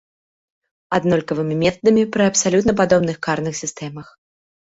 Аднолькавымі метадамі пры абсалютна падобных карных сістэмах.